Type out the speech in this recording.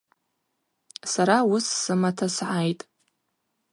Сара уыс сымата сгӏайтӏ.